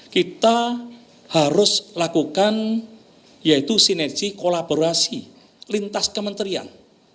kita harus lakukan yaitu sinergi kolaborasi lintas kementerian